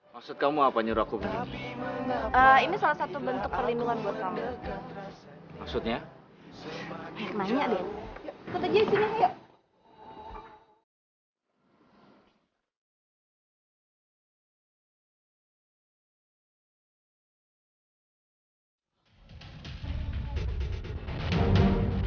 maksud kamu apa nyuruh aku begini